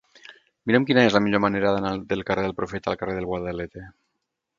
Mira'm quina és la millor manera d'anar del carrer del Profeta al carrer del Guadalete.